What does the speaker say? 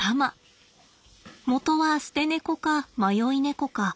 元は捨て猫か迷い猫か。